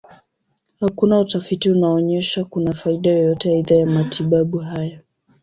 Hakuna utafiti unaonyesha kuna faida yoyote aidha ya matibabu haya.